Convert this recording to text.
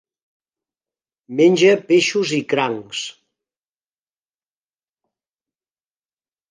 Menja peixos i crancs.